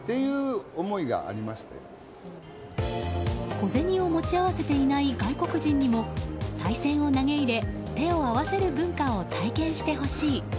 小銭を持ち合わせていない外国人にもさい銭を投げ入れ手を合わせる文化を体験してほしい。